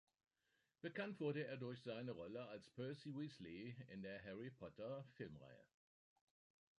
Bekannt wurde er durch seine Rolle als Percy Weasley in der Harry-Potter-Filmreihe.